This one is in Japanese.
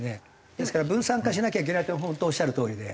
ですから分散化しなきゃいけないって本当おっしゃるとおりで。